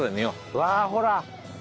うわほら。